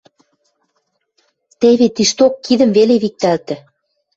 Теве, тишток, кидӹм веле виктӓлтӹ.